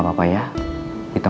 udah ke kamar dulu